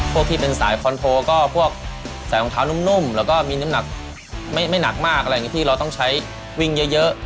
ที่เป็นสายคอนโทรก็พวกใส่รองเท้านุ่มแล้วก็มีน้ำหนักไม่หนักมากอะไรอย่างนี้ที่เราต้องใช้วิ่งเยอะ